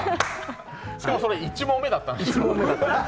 しかも１問目だったんです。